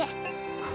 あ。